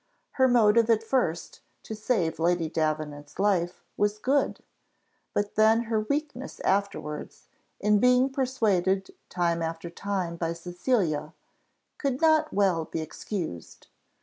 Her motive at first, to save Lady Davenant's life, was good; but then her weakness afterwards, in being persuaded time after time by Cecilia, could not well be excused.